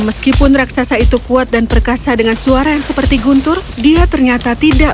meskipun raksasa itu kuat dan perkasa dengan suara yang seperti guntur dia ternyata tidak